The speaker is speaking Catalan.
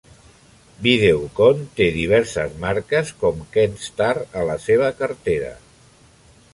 Videocon té diverses marques com Kenstar a la seva cartera.